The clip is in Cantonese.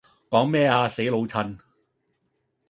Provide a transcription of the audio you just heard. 講咩呀死老襯?